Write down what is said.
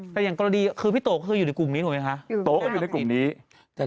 แต่อย่างกรดีคือพี่โต๊ะก็อยู่ในกลุ่มนี้หนูไหมคะ